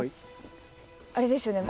あれですよね